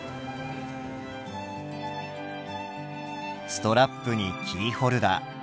ストラップにキーホルダー。